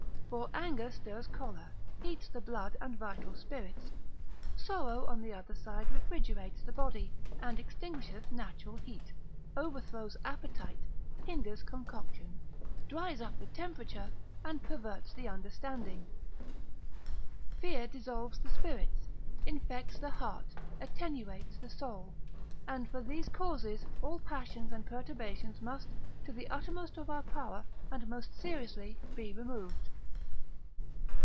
For anger stirs choler, heats the blood and vital spirits; sorrow on the other side refrigerates the body, and extinguisheth natural heat, overthrows appetite, hinders concoction, dries up the temperature, and perverts the understanding: fear dissolves the spirits, infects the heart, attenuates the soul: and for these causes all passions and perturbations must, to the uttermost of our power and most seriously, be removed.